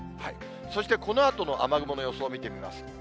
そして、このあとの雨雲の予想を見てみます。